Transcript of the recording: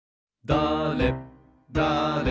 だれだれ